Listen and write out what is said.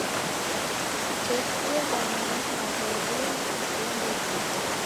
Kutesie w'aninyu na w'ew'eni w'iendelie.